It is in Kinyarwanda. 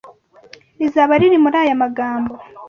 rizaba riri muri aya magambo